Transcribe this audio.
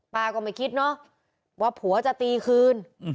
ป้าก็ไม่คิดเนาะว่าผัวจะตีคืน